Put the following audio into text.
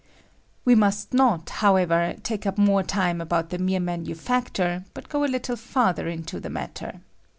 We must not, however, take up more time about the mere manufacture, but go a little farther into the matter.